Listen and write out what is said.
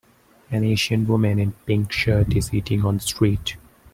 An asian woman in pink shirt is eating on the street.